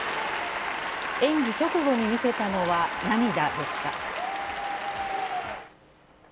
演技直後に見せたのは涙でした。